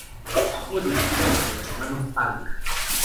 Estuvo dirigida por los hermanos Pang.